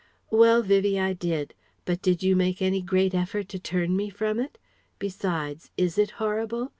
"Well, Vivie. I did. But did you make any great effort to turn me from it? Besides, is it horrible?